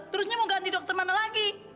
terusnya mau ganti dokter mana lagi